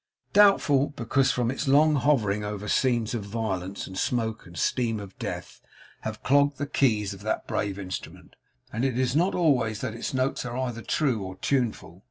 Doubtful, because from its long hovering over scenes of violence, the smoke and steam of death have clogged the keys of that brave instrument; and it is not always that its notes are either true or tuneful.